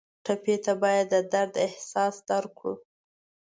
ټپي ته باید د درد احساس درکړو.